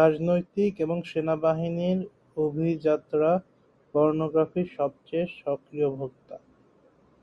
রাজনৈতিক এবং সেনাবাহিনীর অভিজাতরা পর্নোগ্রাফির সবচেয়ে সক্রিয় ভোক্তা।